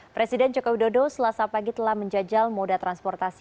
presiden joko widodo selasa pagi telah menjajal moda transportasi